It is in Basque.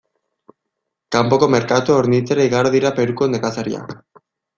Kanpoko merkatua hornitzera igaro dira Peruko nekazariak.